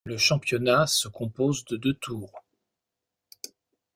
Le championnat se compose de deux tours.